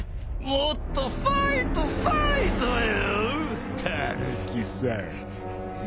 もっとファイトファイトよたぬきさん。